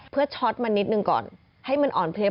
เพื่อช็อตมานิดหนึ่งก่อนให้มันอ่อนเพลีย